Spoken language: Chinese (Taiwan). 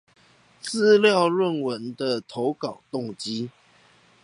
資料論文的投稿動機